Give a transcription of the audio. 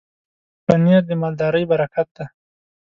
پنېر د مالدارۍ برکت دی.